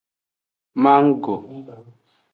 Mango.